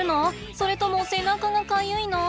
それとも背中がかゆいの？